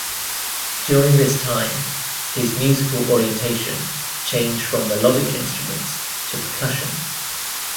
During this time, his musical orientation changed from melodic instruments to percussion.